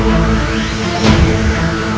aku akan menang